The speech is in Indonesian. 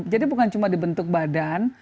jadi bukan cuma dibentuk badan